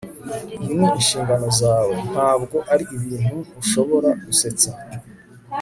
iyi ni inshingano zawe. ntabwo ari ibintu ushobora gusetsa